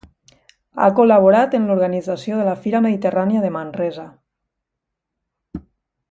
Ha col·laborat en l'organització la Fira Mediterrània de Manresa.